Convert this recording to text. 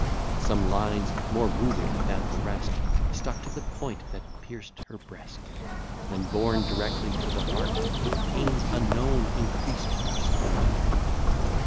Some lines, more moving than the rest, Stuck to the point that pierced her breast, And, borne directly to the heart, With pains unknown increased her smart.